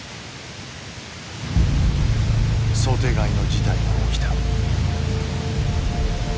想定外の事態が起きた。